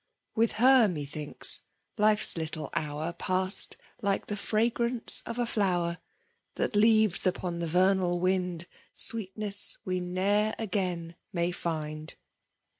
With A^r, metiiinkfl^ life's little hour Pass'dy like the fragrance of a flower» That leaves upon the vernal wind Sweetness we ne*er again may find.